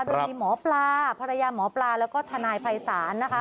โดยมีหมอปลาภรรยาหมอปลาแล้วก็ทนายภัยศาลนะคะ